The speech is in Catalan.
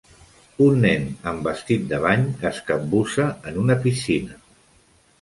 Un nen amb vestit de bany es capbussa en una piscina